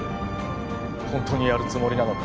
本当にやるつもりなのか